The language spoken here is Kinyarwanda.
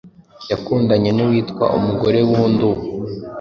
yakundanye nuwitwa umugore wundi ubu